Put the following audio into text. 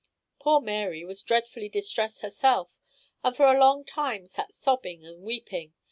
Poor Mary was dreadfully distressed herself, and for a long time sat sobbing and weeping.